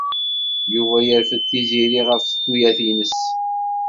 Yuba yerfed Tiziri ɣef tuyat-nnes.